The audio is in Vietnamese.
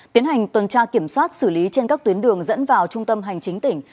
tiến hành tuần tra kiểm soát xử lý trên các tuyến đường dẫn vào trung tâm hành chính tỉnh